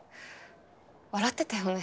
笑ってたよね？